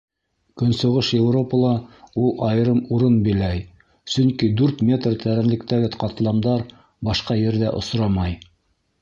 Көнсығыш Европала ул айырым урын биләй, сөнки дүрт метр тәрәнлектәге ҡатламдар башҡа ерҙә осрамай.